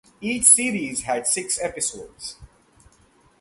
Each series had six episodes.